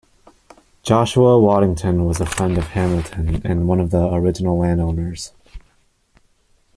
Joshua Waddington was a friend of Hamilton and one of the original landowners.